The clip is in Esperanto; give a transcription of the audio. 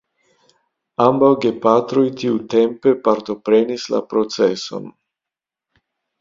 Ambaŭ gepatroj tiutempe partoprenis la proceson.